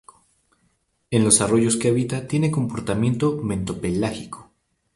En los arroyos que habita tiene comportamiento bentopelágico.